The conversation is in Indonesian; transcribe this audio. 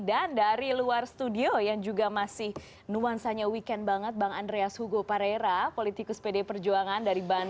dan dari luar studio yang juga masih nuansanya weekend banget bang andreas hugo parera politikus pd perjuangan